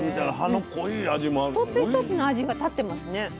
一つ一つの味が立ってますね。